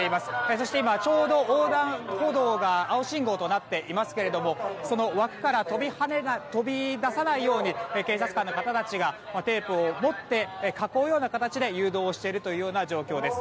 そして今ちょうど横断歩道が青信号となっていますけどその枠から飛び出さないように警察官の方たちがテープを持って囲うような形で誘導しているというような状況です。